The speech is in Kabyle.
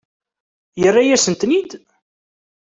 Yerra-yasen-ten-id?